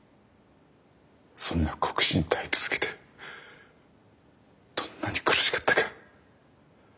そんな酷使に耐え続けてどんなに苦しかったか。